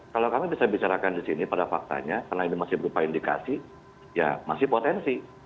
kalau kami bisa bicarakan di sini pada faktanya karena ini masih berupa indikasi ya masih potensi